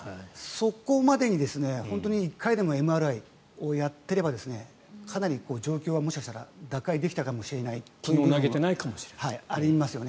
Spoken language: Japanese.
そこまでに１回でもＭＲＩをやっていればかなり状況はもしかしたら打開できたかもしれないというのはありますね。